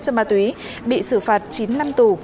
cho ma túy bị xử phạt chín năm tù